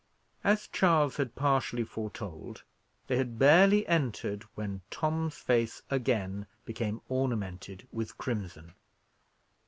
As Charles had partially foretold, they had barely entered, when Tom's face again became ornamented with crimson.